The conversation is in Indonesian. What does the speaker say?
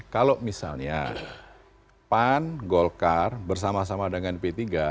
kalau misalnya pan golkar bersama sama dengan p tiga